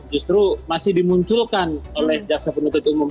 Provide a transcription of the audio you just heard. justru masih dimunculkan oleh jaksa penuntut umum